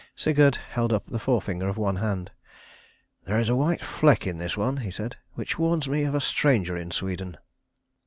Sigurd held up the forefinger of one hand. "There is a white fleck in this one," he said, "which warns me of a stranger in Sweden."